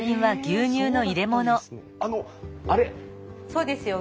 そうですよ